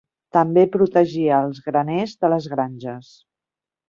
També protegia els graners de les granges.